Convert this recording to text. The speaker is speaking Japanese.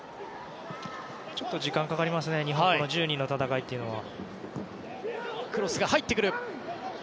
ちょっと時間がかかりますね日本の１０人の戦いが。